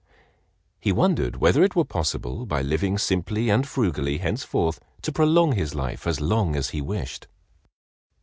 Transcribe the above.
He wondered whether it were possible, by living simply and frugally henceforth, to prolong his life as long as he wished.